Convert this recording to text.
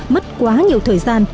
mất quá nhiều thời gian